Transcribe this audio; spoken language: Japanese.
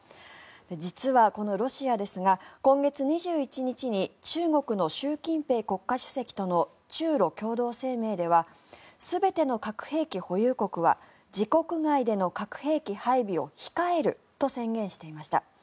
実は、このロシアですが今月２１日に中国の習近平国家主席との中ロ共同声明では全ての核兵器保有国は自国外での核兵器配備を控えると宣言していました。